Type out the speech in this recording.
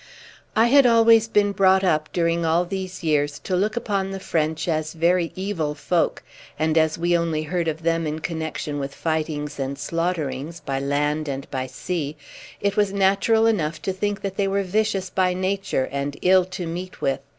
I had always been brought up during all these years to look upon the French as very evil folk, and as we only heard of them in connection with fightings and slaughterings, by land and by sea, it was natural enough to think that they were vicious by nature and ill to meet with.